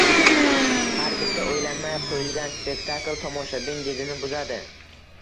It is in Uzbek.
Har bitta o‘ylanmay qo‘yilgan spektakl tomoshabin didini buzadi.